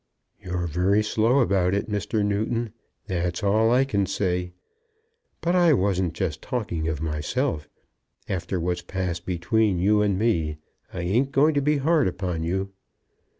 "You're very slow about it, Mr. Newton; that's all I can say. But I wasn't just talking of myself. After what's passed between you and me I ain't going to be hard upon you."